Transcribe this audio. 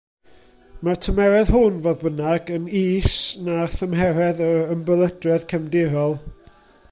Mae'r tymheredd hwn, fodd bynnag, yn is na thymheredd yr ymbelydredd cefndirol.